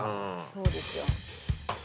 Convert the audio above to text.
そうですよ。